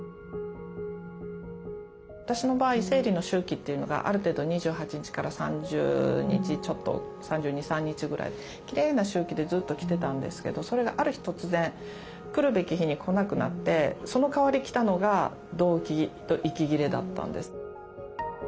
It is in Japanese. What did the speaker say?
私の場合生理の周期というのがある程度２８３０日ちょっと３２３３日ぐらいきれいな周期でずっと来てたんですけどそれがある日突然来るべき日に来なくなってそのかわり来たのがどうきと息切れだったんです。